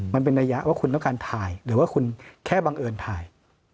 มันเป็นระยะว่าคุณต้องการถ่ายหรือว่าคุณแค่บังเอิญถ่าย